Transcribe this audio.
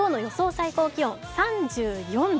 最高気温３４度。